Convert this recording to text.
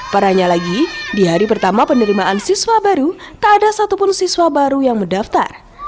parahnya lagi di hari pertama penerimaan siswa baru tak ada satupun siswa baru yang mendaftar